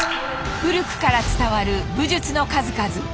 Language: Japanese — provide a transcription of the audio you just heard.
古くから伝わる武術の数々。